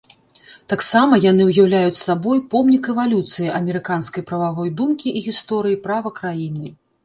Таксама яны ўяўляюць сабой помнік эвалюцыі амерыканскай прававой думкі і гісторыі права краіны.